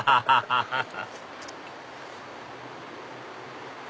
アハハハハ！